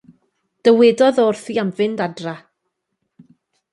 Dywedodd o wrthi am fynd adra.